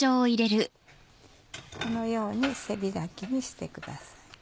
このように背開きにしてください。